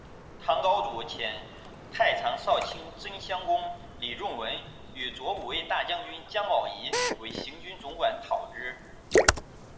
唐高祖遣太常少卿真乡公李仲文与左武卫大将军姜宝谊为行军总管讨之。